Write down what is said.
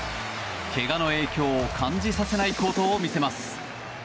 けがの影響を感じさせない好投を見せます。